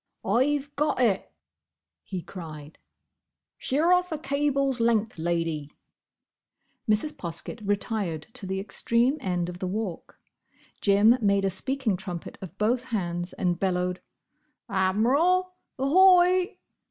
"I've got it!" he cried. "Sheer off a cable's length, Lady." Mrs. Poskett retired to the extreme end of the Walk. Jim made a speaking trumpet of both hands and bellowed, "Admiral, ahoy!"